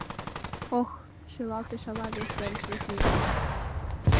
— Ох! — шӱлалтыш ава вес серыш лекмеке.